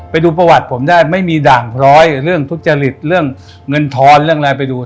ไปดูประวัติผมได้ไม่มีด่างพร้อยเรื่องทุจริตเรื่องเงินทอนเรื่องอะไรไปดู